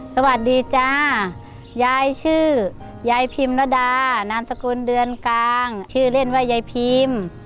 สวัสดีจ้ายายชื่อยายพิมรดานามสกุลเดือนกลางชื่อเล่นว่ายายพิม